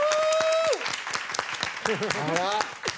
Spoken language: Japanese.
あら！